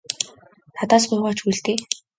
Надаас гуйгаа ч үгүй л дээ.